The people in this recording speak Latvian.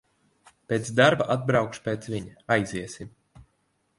Pēc darba atbraukšu pēc viņa, aiziesim.